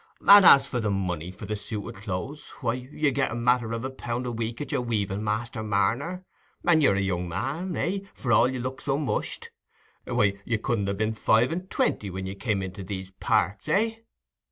"And as for the money for the suit o' clothes, why, you get a matter of a pound a week at your weaving, Master Marner, and you're a young man, eh, for all you look so mushed. Why, you couldn't ha' been five and twenty when you come into these parts, eh?"